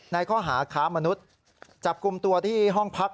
ในข้อหาค้ามนุษย์จับกลุ่มตัวที่ห้องพัก